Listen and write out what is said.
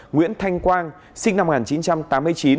nguyễn thanh quang sinh năm một nghìn chín trăm tám mươi chín